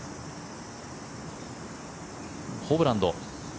ホブランド。